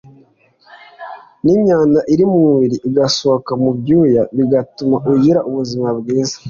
n’imyanda iri mu mubiri igasohoka mu byuya bigatuma ugira ubuzima bwiza